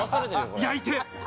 焼いて！